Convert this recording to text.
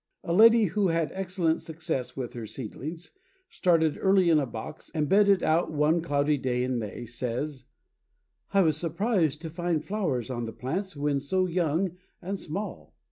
A lady who had excellent success with her seedlings, started early in a box, and bedded out one cloudy day in May, says: "I was surprised to find flowers on the plants when so young and small.